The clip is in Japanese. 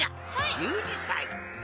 １２さい。